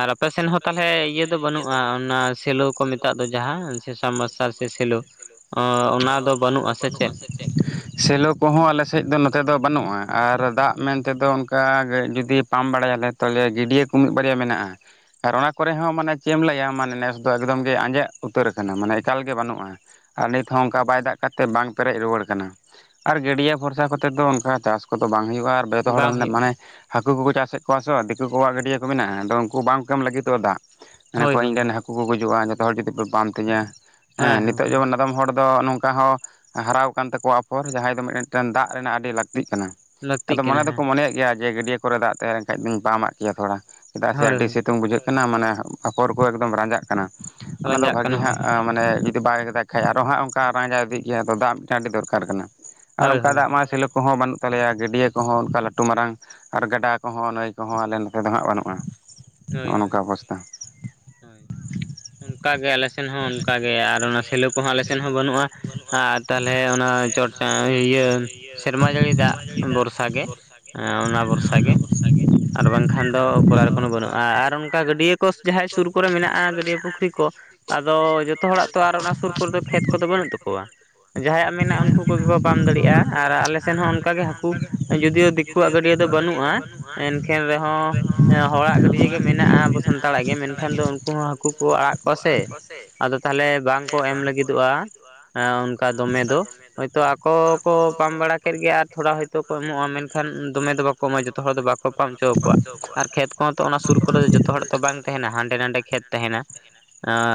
ᱟᱨ ᱟᱯᱮᱥᱱ ᱦᱚᱸ ᱛᱟᱦᱚᱞᱮ ᱤᱭᱟᱹ ᱫᱚ ᱵᱟᱹᱱᱩᱜᱼᱟ ᱚᱱᱟ ᱥᱮᱞᱚ ᱠᱚ ᱢᱮᱛᱟᱜ ᱫᱚ ᱡᱟᱦᱟᱸ ᱥᱟᱱᱢᱟᱨᱥᱟᱞ ᱥᱮ ᱥᱮᱞᱳ ᱚᱱᱟ ᱫᱚ ᱵᱟᱹᱱᱩᱜᱼᱟ ᱥᱮ ᱪᱮᱫ? ᱥᱮᱞᱚ ᱠᱚᱦᱚᱸ ᱟᱞᱮ ᱥᱮᱫ ᱫᱚ ᱱᱚᱛᱮ ᱫᱚ ᱵᱟᱹᱱᱩᱜᱼᱟ ᱟᱨ ᱫᱟᱜ ᱢᱮᱱᱛᱮ ᱫᱚ ᱚᱱᱠᱟ ᱡᱩᱫᱤ ᱯᱟᱢᱯ ᱵᱟᱲᱟᱭᱟᱞᱮ ᱛᱟᱦᱚᱞᱮ ᱜᱟᱹᱰᱭᱟᱹ ᱠᱚ ᱢᱤᱫ ᱵᱟᱨᱭᱟ ᱢᱮᱱᱟᱜᱼᱟ ᱟᱨ ᱚᱱᱟ ᱠᱚᱨᱮ ᱦᱚᱸ ᱢᱟᱱᱮ ᱪᱮᱫ ᱮᱢ ᱞᱟᱹᱭᱟ ᱢᱟᱱᱮ ᱱᱮᱥ ᱫᱚ ᱮᱠᱫᱚᱢ ᱜᱮ ᱟᱸᱡᱮᱫ ᱩᱛᱟᱹᱨ ᱠᱟᱱᱟ ᱢᱟᱱᱮ ᱮᱠᱟᱞ ᱜᱮ ᱵᱟᱹᱱᱩᱜᱼᱟ ᱟᱨ ᱱᱤᱛᱦᱚᱸ ᱚᱱᱠᱟ ᱵᱟᱭ ᱫᱟᱜ ᱟᱠᱟᱫ ᱛᱮ ᱵᱟᱝ ᱯᱮᱨᱮᱡ ᱨᱩᱣᱟᱹᱲ ᱠᱟᱱᱟ ᱟᱨ ᱜᱟᱹᱰᱭᱟᱹ ᱵᱷᱚᱨᱥᱟ ᱠᱚ ᱠᱟᱛᱮ ᱫᱚ ᱚᱱᱠᱟ ᱪᱟᱥ ᱠᱚᱫᱚ ᱵᱟᱝ ᱦᱩᱭᱩᱜᱼᱟ ᱟᱨ ᱡᱚᱛᱚ ᱦᱚᱲ ᱢᱟᱱᱮ ᱦᱟᱹᱠᱩ ᱠᱚᱠᱚ ᱪᱟᱥᱮᱫ ᱠᱚᱣᱟ ᱥᱮ ᱫᱤᱠᱩ ᱠᱚᱣᱟᱜ ᱜᱟᱹᱰᱭᱟᱹ ᱠᱚ ᱢᱮᱱᱟᱜᱼᱟ ᱟᱫᱚ ᱩᱱᱠᱩ ᱵᱟᱝ ᱠᱚ ᱮᱢᱚᱜ ᱞᱟᱹᱜᱤᱫᱚᱜᱼᱟ ᱫᱟᱜ ᱢᱮᱱ ᱟᱠᱚ ᱤᱧ ᱨᱮᱱ ᱦᱟᱹᱠᱩ ᱠᱚ ᱜᱩᱡᱩᱜᱼᱟ ᱡᱚᱛᱚ ᱦᱚᱲ ᱡᱩᱫᱤ ᱯᱮ ᱯᱟᱢ ᱛᱤᱧᱟ ᱦᱮᱸ ᱱᱤᱛᱚᱜ ᱡᱮᱢᱚᱱ ᱟᱫᱚᱢ ᱦᱚᱲ ᱫᱚ ᱱᱚᱝᱠᱟ ᱦᱚᱸ ᱦᱟᱨᱟᱣ ᱟᱠᱟᱱ ᱛᱟᱠᱚᱣᱟ ᱟᱯᱷᱚᱨ ᱡᱟᱦᱟᱸᱭ ᱫᱚ ᱢᱤᱫᱴᱮᱱ ᱫᱟᱜ ᱨᱮᱱᱟᱜ ᱟᱹᱰᱤ ᱞᱟᱹᱠᱛᱤᱜ ᱠᱟᱱᱟ ᱟᱫᱚ ᱢᱚᱱᱮ ᱫᱚᱠᱚ ᱢᱚᱱᱮᱭᱮᱫ ᱜᱮᱭᱟ ᱡᱮ ᱜᱟᱹᱰᱭᱟᱹ ᱠᱚᱨᱮ ᱫᱟᱜ ᱛᱟᱦᱮᱸ ᱞᱮᱱ ᱠᱷᱟᱸᱡ ᱫᱚᱧ ᱯᱟᱢ ᱟᱜ ᱠᱮᱭᱟ ᱛᱷᱚᱲᱟ ᱪᱮᱫᱟᱜ ᱥᱮ ᱟᱹᱰᱤ ᱥᱤᱛᱩᱝ ᱵᱩᱡᱷᱟᱹᱜ ᱠᱟᱱᱟ ᱢᱟᱱᱮ ᱵᱷᱟᱯᱚᱨ ᱠᱚ ᱮᱠᱫᱚᱢ ᱨᱟᱸᱡᱟᱜ ᱠᱟᱱᱟ ᱚᱱᱟ ᱫᱚ ᱵᱷᱟᱜᱮ ᱢᱟᱱᱮ ᱡᱩᱫᱤ ᱵᱟᱭ ᱫᱟᱜ ᱠᱷᱟᱡ ᱟᱨᱚ ᱦᱟᱸᱜ ᱚᱱᱠᱟ ᱨᱟᱸᱡᱟᱣ ᱤᱫᱤᱜ ᱜᱮᱭᱟ ᱟᱫᱚ ᱫᱟᱜ ᱢᱤᱫᱴᱮᱱ ᱟᱹᱰᱤ ᱫᱚᱨᱠᱟᱨ ᱠᱟᱱᱟ ᱾ ᱟᱨ ᱚᱱᱠᱟ ᱫᱟᱜ ᱢᱟ ᱥᱮᱞᱳ ᱠᱚᱦᱚᱸ ᱵᱟᱹᱱᱩᱜ ᱛᱟᱞᱮᱭᱟ ᱜᱟᱹᱰᱭᱟᱹ ᱠᱚᱦᱚᱸ ᱚᱱᱠᱟ ᱞᱟᱹᱴᱩ ᱢᱟᱨᱟᱝ ᱟᱨ ᱜᱟᱰᱟ ᱠᱚᱦᱚᱸ ᱱᱟᱹᱭ ᱠᱚᱦᱚᱸ ᱟᱞᱮ ᱱᱚᱛᱮ ᱫᱚ ᱦᱟᱸᱜ ᱵᱟᱹᱱᱩᱜᱼᱟ ᱦᱳᱭ ᱦᱳᱭ ᱦᱳᱭ ᱚᱱᱠᱟ ᱜᱮ ᱟᱞᱮ ᱥᱮᱱ ᱦᱚᱸ ᱚᱱᱠᱟᱜᱮ ᱟᱨ ᱚᱱᱟ ᱥᱮᱞᱳ ᱠᱚᱦᱚᱸ ᱟᱞᱮᱥᱮᱫ ᱦᱚᱸ ᱵᱟᱹᱱᱩᱜᱼᱟ ᱟᱨ ᱛᱟᱦᱚᱞᱮ ᱚᱱᱟ <unintelligible> ᱤᱭᱟᱹ ᱥᱮᱨᱢᱟ ᱡᱟᱹᱲᱤ ᱫᱟᱜ ᱵᱚᱨᱥᱟ ᱜᱮ ᱚᱱᱟ ᱵᱚᱨᱥᱟ ᱜᱮ ᱟᱨ ᱵᱟᱝᱠᱷᱟᱱ ᱫᱚ ᱠᱚᱨᱟᱨ ᱠᱳᱱᱳ ᱵᱟᱹᱱᱩᱜᱼᱟ ᱟᱨ ᱚᱱᱠᱟ ᱜᱟᱹᱰᱭᱟᱹ ᱠᱚ ᱡᱟᱦᱟᱸᱭ ᱥᱩᱨ ᱠᱚᱨᱮ ᱢᱮᱱᱟᱜᱼᱟ ᱜᱟᱹᱰᱭᱟᱹ ᱯᱩᱠᱷᱨᱤ ᱠᱚ ᱟᱫᱚ ᱡᱚᱛᱚ ᱦᱚᱲᱟᱜ ᱛᱚ ᱟᱨ ᱚᱱᱟ ᱥᱩᱨ ᱠᱚᱨᱮ ᱫᱚ ᱠᱷᱮᱛ ᱠᱚᱫᱚ ᱵᱟᱹᱱᱩᱜ ᱛᱟᱠᱚᱣᱟ ᱾ ᱡᱟᱸᱦᱟᱭᱟᱜ ᱢᱮᱱᱟᱜᱼᱟ ᱩᱱᱠᱩ ᱠᱚᱜᱮ ᱠᱚ ᱯᱟᱢ ᱫᱟᱲᱮᱭᱟᱜᱼᱟ ᱟᱨ ᱟᱞᱮ ᱥᱮᱱ ᱦᱚᱸ ᱚᱱᱠᱟ ᱜᱮ ᱦᱟᱹᱠᱩ ᱡᱩᱫᱤᱭᱳ ᱠᱩᱣᱟᱜ ᱜᱟᱹᱰᱭᱟᱹ ᱫᱚ ᱵᱟᱹᱱᱩᱜᱼᱟ, ᱮᱱᱠᱷᱟᱱ ᱨᱮᱸᱦᱚ ᱦᱚᱲᱟᱜ ᱜᱟᱹᱰᱭᱟᱹ ᱜᱮ ᱢᱮᱱᱟᱜᱼᱟ, ᱟᱵᱚ ᱥᱟᱱᱛᱟᱲᱟᱜ ᱜᱮ ᱢᱮᱱᱠᱷᱟᱱ ᱫᱚ ᱩᱱᱠᱩ ᱦᱚᱸ ᱦᱟᱹᱠᱩ ᱠᱚ ᱟᱲᱟᱜ ᱠᱚ ᱟᱲᱟᱜ ᱠᱚᱣᱟ ᱥᱮ ᱟᱫᱚ ᱛᱟᱸᱦᱚᱞᱮ ᱵᱟᱝ ᱠᱚ ᱮᱢ ᱞᱟᱹᱜᱤᱫᱚᱜᱼᱟ ᱚᱱᱠᱟ ᱫᱚᱢᱮ ᱦᱳᱭᱛᱳ ᱟᱠᱚ ᱠᱚ ᱯᱟᱢ ᱵᱟᱲᱟ ᱠᱮᱫ ᱜᱮ ᱟᱨ ᱛᱷᱚᱲᱟ ᱦᱳᱭᱛᱳ ᱠᱚ ᱮᱢᱚᱜᱼᱟ ᱢᱮᱱᱠᱷᱟᱱ ᱫᱚᱢᱮ ᱫᱚ ᱵᱟᱠᱚ, ᱩᱱᱠᱩ ᱢᱟ ᱡᱚᱛᱚ ᱦᱚᱲ ᱫᱚ ᱵᱟᱠᱚ ᱯᱟᱢ ᱦᱚᱪᱚᱣᱟ ᱟᱨ ᱠᱷᱮᱛ ᱠᱚᱦᱚ ᱛᱚ ᱚᱱᱟ ᱥᱩᱨ ᱠᱚᱨᱮ ᱫᱚ ᱡᱚᱛᱚ ᱦᱚᱲ ᱛᱚ ᱵᱟᱝ ᱛᱟᱸᱦᱮᱱᱟ ᱦᱟᱸᱰᱮ ᱱᱟᱰᱮ ᱠᱷᱮᱛ ᱛᱟᱸᱦᱮᱱᱟ ᱾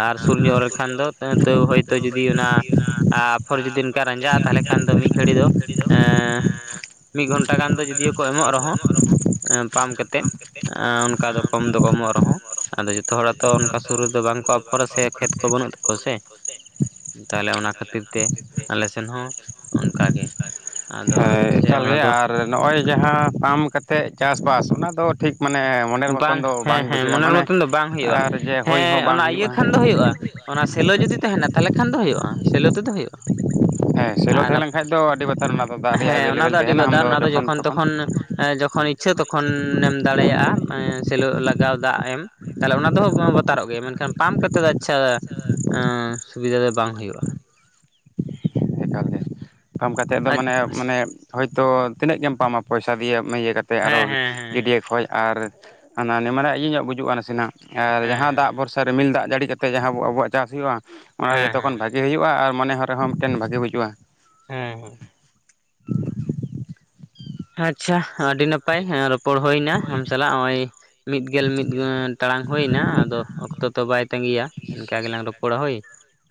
ᱟᱨ ᱥᱩᱨ ᱧᱚᱜ ᱨᱮ ᱠᱷᱟᱱ ᱫᱚ ᱦᱚᱭᱛᱳ ᱡᱩᱫᱤ ᱚᱱᱟ ᱟᱯᱷᱚᱨ ᱡᱩᱫᱤ ᱱᱚᱝᱠᱟ ᱨᱟᱸᱡᱟᱜ-ᱟ, ᱛᱟᱸᱦᱚᱞᱮ ᱠᱷᱟᱱ ᱫᱚ ᱢᱤᱫ ᱜᱷᱟᱹᱲᱤ ᱫᱚ ᱢᱤᱫ ᱜᱷᱚᱱᱴᱟ ᱜᱟᱱ ᱫᱚ ᱡᱩᱫᱤᱭᱳ ᱠᱚ ᱮᱢᱚᱜ ᱨᱮᱸᱦᱚ ᱯᱟᱢ ᱠᱟᱛᱮᱫ᱾ ᱚᱱᱠᱟ ᱫᱚ ᱠᱚᱢ ᱫᱚ ᱠᱚᱢᱚᱜ ᱨᱮᱸᱦᱚ ᱟᱫᱚ ᱡᱚᱛᱚ ᱦᱚᱲᱟᱜ ᱛᱚ ᱚᱱᱠᱟ ᱥᱩᱨ ᱨᱮᱫᱚ ᱵᱟᱝᱠᱚ, <unintelligible> ᱥᱮ ᱠᱷᱮᱛ ᱠᱚ ᱵᱟᱹᱱᱩᱜ ᱛᱟᱠᱚᱣᱟ ᱥᱮ ᱛᱟᱦᱞᱮ ᱚᱱᱟ ᱠᱷᱟᱹᱛᱤᱨ ᱛᱮ ᱟᱞᱮ ᱥᱮᱱ ᱦᱚᱸ ᱚᱱᱠᱟᱜᱮ ᱟᱫᱚ ᱥᱮ ᱚᱱᱟ ᱫᱚ ᱱᱚᱜᱼᱚᱭ ᱡᱟᱸᱦᱟ ᱯᱟᱢ ᱠᱟᱛᱮᱫ ᱪᱟᱥᱵᱟᱥ ᱚᱱᱟ ᱫᱚ ᱴᱷᱤᱠ ᱢᱟᱱᱮ ᱵᱟᱝ ᱦᱮᱸ ᱦᱮᱸ ᱢᱚᱱᱮᱨ ᱢᱚᱛᱚᱱ ᱫᱚ ᱵᱟᱝ ᱦᱩᱭᱩᱜᱼᱟ᱾ ᱦᱮᱸ ᱚᱱᱟ ᱤᱭᱟᱹ ᱠᱷᱟᱱ ᱫᱚ ᱦᱩᱭᱩᱜᱼᱟ ᱾ ᱚᱱᱟ ᱥᱮᱞᱳ ᱡᱩᱫᱤ ᱛᱟᱸᱦᱮᱱᱟ ᱛᱟᱸᱦᱚᱞᱮ ᱠᱷᱟᱱ ᱫᱚ ᱦᱩᱭᱩᱜᱼᱟ᱾ ᱥᱮᱞᱳ ᱛᱮᱫᱚ ᱦᱩᱭᱩᱜᱼᱟ᱾ <unintelligible> ᱦᱮᱸ ᱚᱱᱟ ᱫᱚ ᱟᱹᱰᱤ ᱵᱟᱫᱟᱨ ᱚᱱᱟ ᱫᱚ ᱡᱚᱠᱷᱚᱱ ᱛᱚᱠᱷᱚᱱ, ᱡᱚᱠᱷᱚᱱ ᱤᱪᱪᱷᱟᱹ ᱛᱚᱠᱷᱚᱱᱮᱢ ᱫᱟᱲᱮᱭᱟᱜᱼᱟ ᱥᱮᱞᱚᱜ ᱞᱟᱜᱟᱣ ᱫᱟᱜ ᱮᱢ ᱛᱟᱦᱚᱞᱮ ᱚᱱᱟ ᱫᱚ ᱵᱟᱛᱟᱨᱚᱜ ᱢᱮᱱᱠᱷᱟᱱ ᱯᱟᱢᱯ ᱠᱟᱛᱮ ᱫᱚ ᱟᱪᱪᱷᱟ ᱥᱩᱵᱤᱫᱷᱟ ᱫᱚ ᱵᱟᱝ ᱦᱩᱭᱩᱜᱼᱟ᱾ ᱡᱚᱦᱟᱨ ᱜᱮ ᱯᱟᱢ ᱠᱟᱛᱮᱫ ᱫᱚ ᱢᱟᱱᱮ ᱢᱟᱱᱮ ᱦᱳᱭᱛᱚ ᱛᱤᱱᱟᱹᱜ ᱜᱮᱢ ᱯᱟᱢᱟ ᱯᱚᱭᱥᱟ ᱫᱤᱭᱟᱹ ᱤᱭᱟᱹ ᱠᱟ ᱛᱮ ᱟᱨᱚ ᱜᱟᱹᱰᱭᱟᱹ ᱠᱷᱚᱡᱽ ᱟᱨ ᱦᱟᱱᱟ ᱢᱟᱱᱮ ᱤᱭᱟᱹᱧᱚᱜ ᱵᱩᱡᱩᱜᱼᱟ᱾ ᱱᱟᱥᱮᱱᱟᱜ, ᱟᱨ ᱡᱟᱦᱟᱸ ᱫᱟᱜ ᱵᱷᱚᱨᱥᱟ ᱨᱤᱢᱤᱞ ᱫᱟᱜ ᱡᱟᱹᱲᱤ ᱠᱟᱛᱮᱫ ᱡᱟᱸᱦᱟ ᱟᱵᱚᱣᱟᱜ ᱪᱟᱥ ᱦᱩᱭᱩᱜᱼᱟ, ᱚᱱᱟ ᱜᱮ ᱛᱟᱵᱚ ᱵᱷᱟᱹᱜᱤ᱾ ᱵᱷᱟᱹᱜᱮ ᱦᱩᱭᱩᱜᱼᱟ ᱟᱨ ᱢᱚᱱᱮ ᱨᱮᱸᱦᱚ ᱢᱤᱫᱴᱮᱱ ᱵᱷᱟᱹᱜᱤ ᱵᱩᱡᱩᱜᱼᱟ᱾ ᱦᱮᱸ ᱦᱮᱸ ᱾ ᱟᱪᱪᱷᱟ ᱟᱹᱰᱤ ᱱᱟᱯᱟᱭ ᱨᱚᱯᱚᱲ ᱦᱩᱭ ᱮᱱᱟ ᱟᱢ ᱥᱟᱞᱟᱜ ᱱᱚᱜᱼᱚᱭ᱾ ᱢᱤᱫᱜᱮᱞ ᱢᱤᱫ ᱴᱟᱲᱟᱝ ᱦᱩᱭ ᱮᱱᱟ ᱟᱫᱚ ᱚᱠᱛᱚ ᱫᱚ ᱵᱟᱭ ᱛᱟᱸᱜᱤᱭᱟ᱾ ᱤᱱᱠᱟ ᱜᱮᱞᱟᱝ ᱨᱚᱯᱚᱲᱟ, ᱦᱳᱭ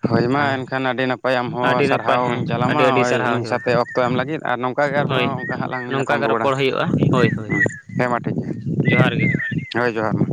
ᱦᱳᱭ ᱢᱟ ᱮᱱᱠᱷᱟᱱ ᱟᱹᱰᱤ ᱱᱟ ᱦᱚᱭ ᱟᱢᱦᱚᱸ ᱥᱟᱨᱦᱟᱣ ᱤᱧ ᱪᱟᱞᱟᱢᱟ ᱱᱚᱜ-ᱚᱭ ᱤᱧ ᱥᱟᱶᱛᱮ ᱚᱠᱛᱚ ᱮᱢ ᱞᱟᱹᱜᱤᱫ ᱟᱨ ᱱᱚᱝᱠᱟ ᱟᱨᱦᱚᱸ ᱚᱱᱠᱟ ᱞᱟᱝ ᱧᱟᱯᱟᱢ ᱨᱩᱣᱟᱹᱲᱟ, ᱨᱚᱯᱚᱲ ᱦᱩᱭᱩᱜᱼᱟ, ᱦᱮᱸ ᱢᱟ ᱴᱷᱤᱠ ᱜᱮᱭᱟ, ᱡᱚᱦᱟᱨ ᱜᱮ, ᱦᱚᱭ ᱡᱚᱦᱟᱨ ᱢᱟ᱾